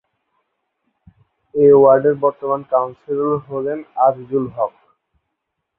এ ওয়ার্ডের বর্তমান কাউন্সিলর হলেন আজিজুল হক।